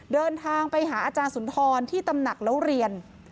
เดินทางไปหาอาจารย์สุนทรที่ตำหนักแล้วเรียน